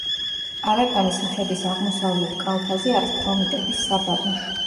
არაკანის მთების აღმოსავლეთ კალთაზე არის ქრომიტების საბადო.